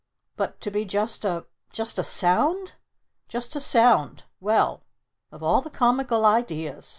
But to be just a just a Sound? Just a Sound? Well, of all the comical ideas!